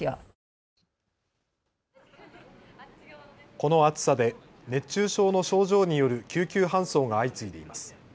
この暑さで熱中症の症状による救急搬送が相次いでいます。